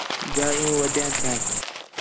جا عِیُّوں ودیان تھیاں